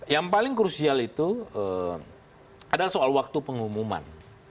yang paling krusial itu adalah soal waktu pengumuman